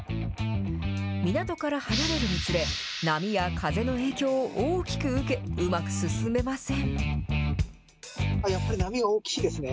港から離れるにつれ、波や風の影響を大きく受け、うまく進めません。